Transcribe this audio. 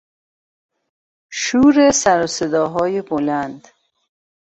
شور سروصداهای بلند